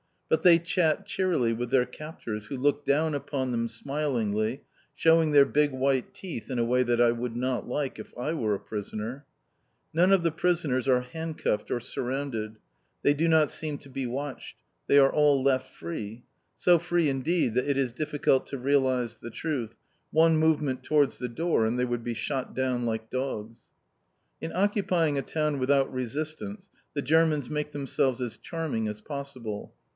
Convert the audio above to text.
But they chat cheerily with their captors, who look down upon them smilingly, showing their big white teeth in a way that I would not like if I were a prisoner! None of the prisoners are handcuffed or surrounded. They do not seem to be watched. They are all left free. So free indeed, that it is difficult to realise the truth one movement towards the door and they would be shot down like dogs! In occupying a town without resistance the Germans make themselves as charming as possible.